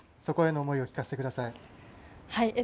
そこへの思いを聞かせてください。